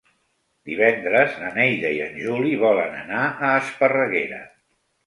Divendres na Neida i en Juli volen anar a Esparreguera.